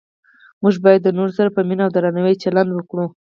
موږ باید د نورو سره په مینه او درناوي چلند وکړو